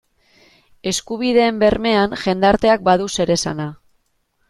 Eskubideen bermean jendarteak badu zeresana.